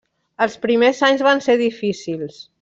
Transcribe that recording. Els primers anys van ser difícils.